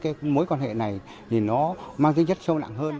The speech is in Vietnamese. cái mối quan hệ này thì nó mang tính chất sâu nặng hơn